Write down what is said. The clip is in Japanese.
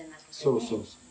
「そうそうそう」